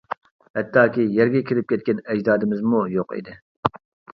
ھەتتاكى يەرگە كىرىپ كەتكەن ئەجدادىمىزمۇ يوق ئىدى.